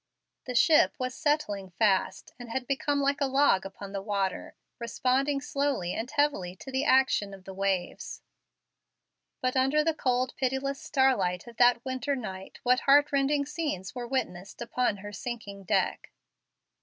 The ship was settling fast, and had become like a log upon the water, responding slowly and heavily to the action of the waves. But under the cold, pitiless starlight of that winter night, what heartrending scenes were witnessed upon her sinking deck!